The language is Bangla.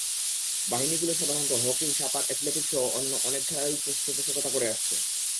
বাহিনীগুলো সাধারণত হকি, সাঁতার, অ্যাথলেটিকসসহ অন্য অনেক খেলাই পৃষ্ঠপোষণা করে আসছে।